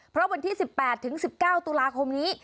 เพราะวันที่สิบแปดถึงสิบเก้าตุลาคมนี้